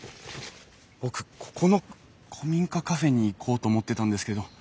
僕ここの古民家カフェに行こうと思ってたんですけど。